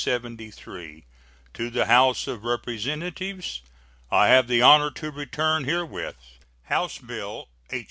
To the House of Representatives: I have the honor to return herewith House bill (H.